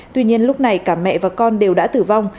tuy nhiên lúc này cả mẹ và con đều đã tử vong